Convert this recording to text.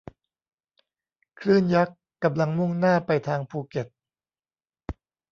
คลื่นยักษ์กำลังมุ่งหน้าไปทางภูเก็ต